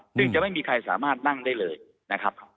ซึ่งจะไม่มีใครสามารถนั่งได้เลยนะครับ